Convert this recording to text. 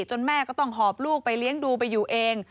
แม่ก็ต้องหอบลูกไปเลี้ยงดูไปอยู่เอง